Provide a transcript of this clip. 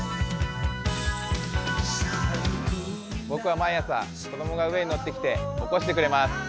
僕は毎朝、子供が上に乗ってきて起こしてくれます。